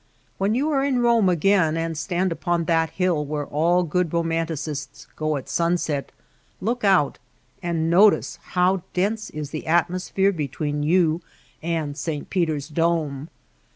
When you are in Eome again and stand upon that hill where all good roman ticists go at sunset, look out and notice how dense is the atmosphere between you and St. Peter^s dome.